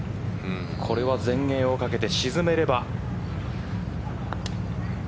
これは全英をかけて沈めれば。